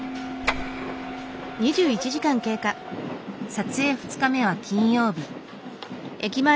撮影２日目は金曜日。